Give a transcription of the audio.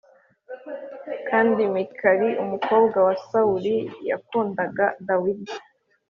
kandi Mikali umukobwa wa Sawuli yakundaga Dawidi.